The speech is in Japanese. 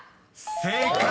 ［正解。